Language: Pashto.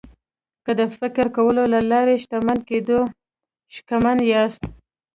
که د فکر کولو له لارې د شتمن کېدو شکمن یاست